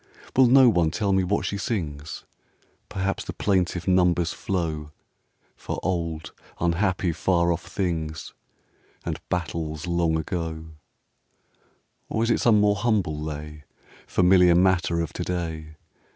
Will no one tell me what she sings? Perhaps the plaintive numbers flow For old, unhappy, far off things, And battles long ago: Or is it some more humble lay, Familiar matter of to day?